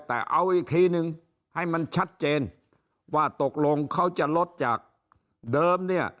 แต่เอาอีกทีนึงให้มันชัดเจนว่าตกลงเขาจะลดจากเดิมเนี่ย